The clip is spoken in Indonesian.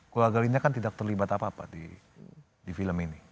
keluarga linda kan tidak terlibat apa apa di film ini